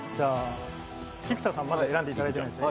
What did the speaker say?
菊田さん、まだ選んでいただいてないですね。